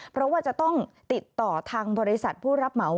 เพราะว่าจะต้องติดต่อทางบริษัทผู้รับเหมา